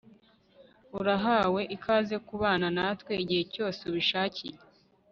Urahawe ikaze kubana natwe igihe cyose ubishakiye